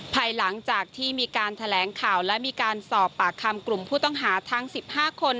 ภายหลังจากที่มีการแถลงข่าวและมีการสอบปากคำกลุ่มผู้ต้องหาทั้ง๑๕คน